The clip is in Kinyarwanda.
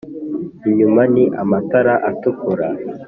inyuma ni amatara atukura